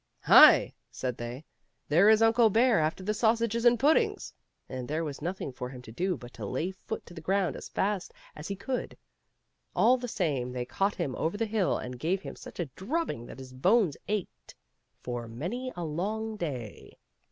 " Hi !" said they, " there is Uncle Bear after the sausages and puddings ;" and there was nothing for him to do but to lay foot to the ground as fast as he could. All the same, they caught him over the hill, and gave him such a drubbing that his bones ached for many a long day.